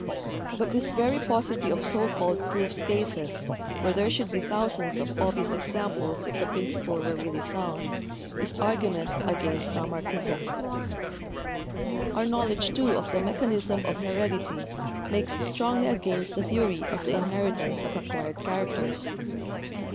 But this very paucity of so called proved cases, where there should be thousands of obvious examples if the principle were really sound, is argument against Lamarck ism. "Our knowledge, too, of the mechanism of heredity makes strongly against the theory of the inheritance of acquired characters.